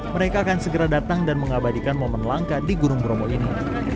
mereka akan segera datang dan mengabadikan momen langka di gunung bromo ini